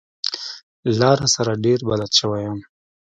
لاره سره ډېر بلد شوی يم.